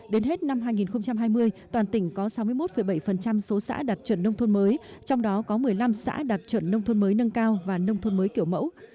đến hết năm hai nghìn hai mươi toàn tỉnh có sáu mươi một bảy số xã đạt chuẩn nông thôn mới trong đó có một mươi năm xã đạt chuẩn nông thôn mới nâng cao và nông thôn mới kiểu mẫu